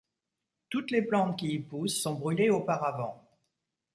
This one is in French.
Toutes les plantes qui y poussent sont brûlées auparavant.